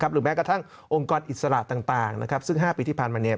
หรือแม้กระทั่งองค์กรอิสระต่างซึ่ง๕ปีที่ผ่านมาเนี่ย